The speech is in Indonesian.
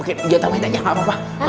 oke jangan tambahin aja gak apa apa